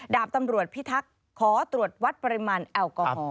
ดาบตำรวจพิทักษ์ขอตรวจวัดปริมาณแอลกอฮอล